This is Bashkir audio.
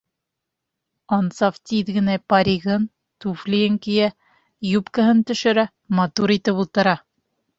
Ансаф тиҙ генә паригын, туфлийын кейә, юбкаһын төшөрә, матур итеп ултыра.